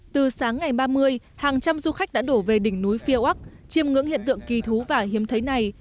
từ sáng ngày ba mươi hàng trăm du khách đã đổ về đỉnh núi phía úc chiêm ngưỡng hiện tượng kỳ thú và hiếm thấy này